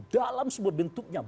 dalam sebuah bentuknya